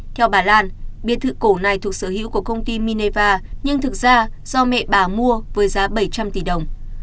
theo bà lan biệt thự cổ này thuộc sở hữu của công ty mineva nhưng thực ra do mẹ bà mua với giá bảy trăm linh tỷ đồng